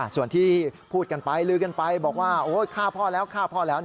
ส่วนที่พูดกันไปลือกันไปบอกว่าฆ่าพ่อแล้วฆ่าพ่อแล้ว